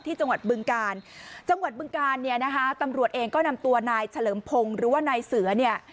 จังหวัดบึงกาลจังหวัดบึงการเนี่ยนะคะตำรวจเองก็นำตัวนายเฉลิมพงศ์หรือว่านายเสือเนี่ย